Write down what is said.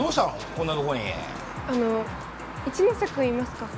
こんなとこにあの一ノ瀬君いますか？